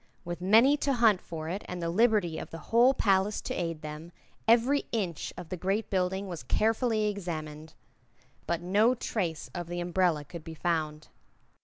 With many to hunt for it and the liberty of the whole palace to aid them, every inch of the great building was carefully examined. But no trace of the umbrella could be found.